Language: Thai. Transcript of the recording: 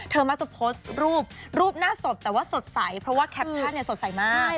มักจะโพสต์รูปรูปหน้าสดแต่ว่าสดใสเพราะว่าแคปชั่นเนี่ยสดใสมาก